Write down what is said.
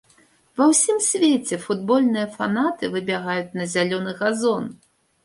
Ва ўсім свеце футбольныя фанаты выбягаюць на зялёны газон.